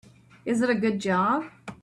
Is it a good job?